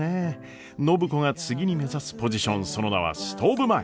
暢子が次に目指すポジションその名はストーブ前。